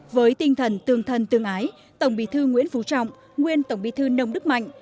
với tinh thần tương thân tương ái tổng bí thư nguyễn phú trọng nguyên tổng bí thư nông đức mạnh